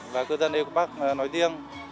và cư dân ê cúc bắc nói riêng